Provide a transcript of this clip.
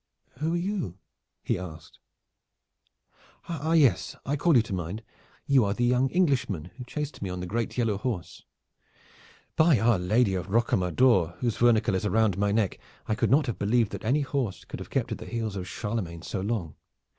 "Who are you?" he asked. "Ah yes! I call you to mind. You are the young Englishman who chased me on the great yellow horse. By our Lady of Rocamadour whose vernicle is round my neck! I could not have believed that any horse could have kept at the heels of Charlemagne so long.